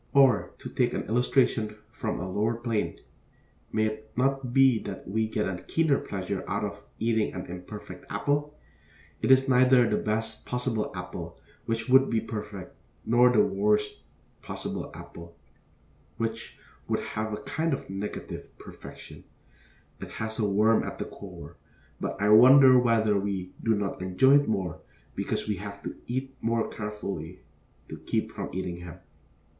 Or, to take an illustration from a lower plane, may it not be that we get a keener pleasure out of eating an imperfect apple? It is neither the best possible apple, which would be perfect, nor the worst possible apple, which would have a kind of negative perfection; it has a worm at the core; but I wonder whether we do not enjoy it more because we have to eat the more carefully to keep from eating him.